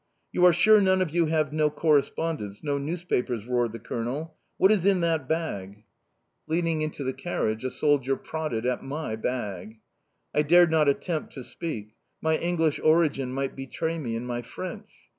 "You are sure none of you have no correspondence, no newspapers?" roared the Colonel. "What is in that bag?" Leaning into the carriage a soldier prodded at my bag. I dared not attempt to speak. My English origin might betray me in my French.